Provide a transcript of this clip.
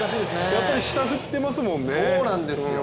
やっぱり下、振ってますもんね。